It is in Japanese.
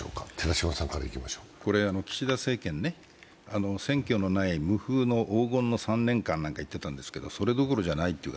岸田政権、選挙のない無風の、黄金の３年間って言っていたんですけど、それどころじゃない。